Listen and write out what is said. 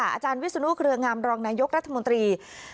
อาจารย์วิจิณูภาคองแคระแรงงามรองนายกรัฐมนตรี